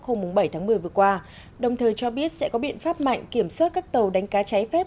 hôm bảy tháng một mươi vừa qua đồng thời cho biết sẽ có biện pháp mạnh kiểm soát các tàu đánh cá trái phép